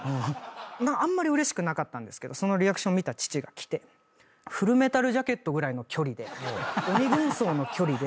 あんまりうれしくなかったそのリアクションを見た父が来て『フルメタル・ジャケット』ぐらいの距離で。